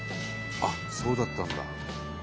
あっそうだったんだ。